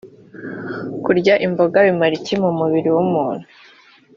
kurya imboga bimarira iki umubiri w’umuntu?